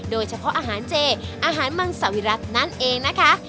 โดยเฉพาะอาหารเจอาหารมังสวิรัตินั่นเองนะคะ